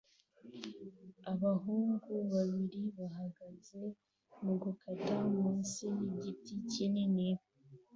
Abahungu babiri bahagaze mugukata munsi yigiti kinini